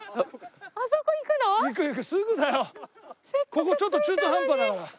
ここちょっと中途半端だから。